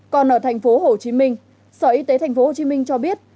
còn ở thành phố hồ chí minh sở y tế thành phố hồ chí minh cho biết